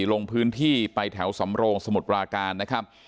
ลงพื้นที่ไปแถวสำโรงสมุทรปราการนะครับ